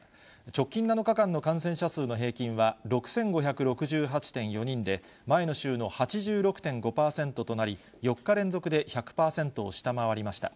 直近７日間の感染者数の平均は、６５６８．４人で、前の週の８６．５％となり、４日連続で１００％を下回りました。